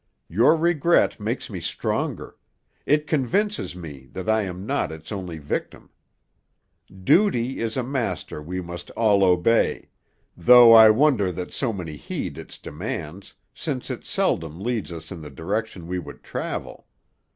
"Your regret makes me stronger; it convinces me that I am not its only victim. Duty is a master we must all obey, though I wonder that so many heed its demands, since it seldom leads us in the direction we would travel.